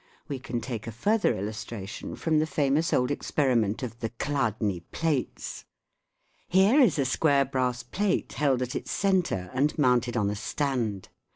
We can take a further illustration from the famous old experi ment of the Chladni plates. Here is a square brass plate held at its centre 10 146 THE WORLD OF SOUND and mounted on a stand.